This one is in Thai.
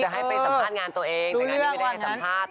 ให้ไปสัมภาษณ์งานตัวเองแต่งานนี้ไม่ได้ให้สัมภาษณ์